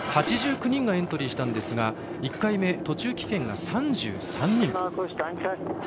８９人がエントリーしたんですが１回目、途中棄権が３３人。